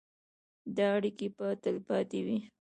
دا اړیکې به تلپاتې وي.